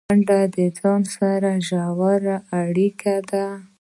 منډه د ځان سره ژوره اړیکه ده